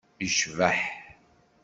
Yecbeḥ.